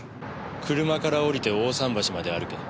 車から降りて大さん橋まで歩け。